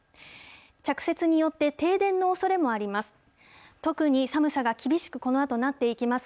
着雪によって停電のおそれもあります。